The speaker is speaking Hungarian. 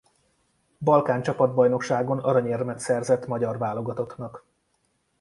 Balkán csapatbajnokságon aranyérmet szerzett magyar válogatottnak.